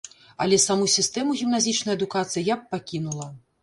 Але саму сістэму гімназічнай адукацыі я б пакінула.